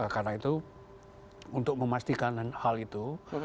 karena itu untuk memastikan hal itu